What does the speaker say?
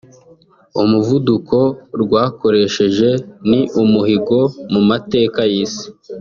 umuvuduko rwakoresheje ni umuhigo mu mateka y’isi